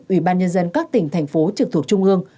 ủy ban nhân dân các tỉnh thành phố trực thuộc trung ương